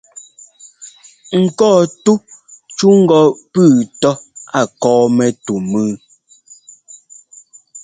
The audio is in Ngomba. Ŋkɔ́ɔtú cú ŋgɔ pʉ́ʉ tɔ́ a kɔ́ɔ mɛtú mʉ́ʉ.